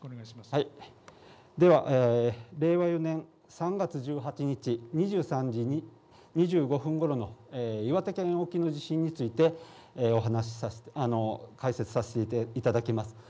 では、令和４年３月１８日２３時２５分ごろの岩手県沖の地震について解説させていただきます。